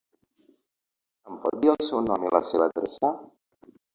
Em pot dir el seu nom i la seva adreça?